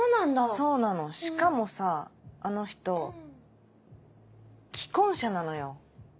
そうなのしかもさあの人既婚者なのよ。